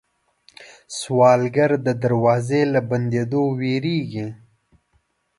سوالګر د دروازې له بندېدو وېرېږي